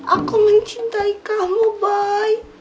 aku mencintai kamu boy